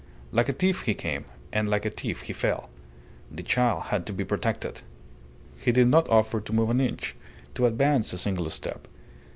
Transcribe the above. "Like a thief he came, and like a thief he fell. The child had to be protected." He did not offer to move an inch, to advance a single step.